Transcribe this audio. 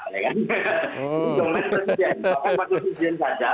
soalnya presiden soalnya pas presiden saja